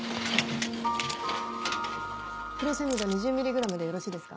フロセミド２０ｍｇでよろしいですか？